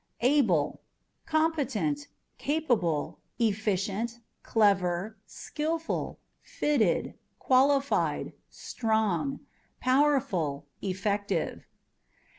Ableâ€" competent, capable, efficient, clever, skilful, fitted, qualified, strong, powerful, effective.